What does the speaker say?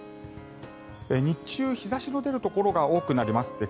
日中、日差しの出るところが多くなります。